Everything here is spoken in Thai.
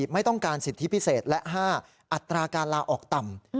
ไม่ต้องการสิทธิพิเศษและ๕อัตราการลาออกต่ำ